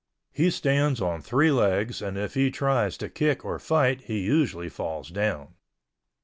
He stands on three legs and if he tries to kick or fight he usually falls down.